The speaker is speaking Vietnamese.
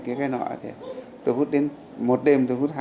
cái cái nọ thì tôi hút đến một đêm tôi hút thuốc lá